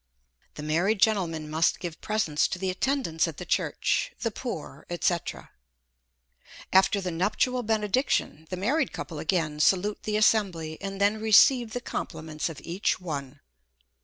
The married gentleman must give presents to the attendants at the church, the poor, &c. After the nuptial benediction, the married couple again salute the assembly, and then receive the compliments of each one.